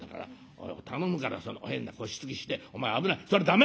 「おい頼むからその変な腰つきしてお前危ないそれ駄目！